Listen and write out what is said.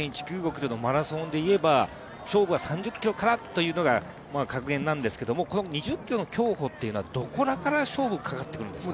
ｋｍのマラソンでいえば勝負は３０ｋｍからというのが、格言なんですけどこの２０ｋｍの競歩というのは、どこら辺から勝負がかかってくるんですか。